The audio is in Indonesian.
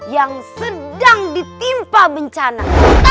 yang sedang ditimpa bencana